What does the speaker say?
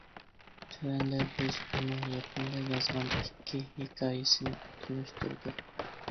تۆۋەندە بىز ئۇنىڭ يېقىندا يازغان ئىككى ھېكايىسىنى تونۇشتۇردۇق.